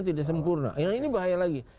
tidak sempurna yang ini bahaya lagi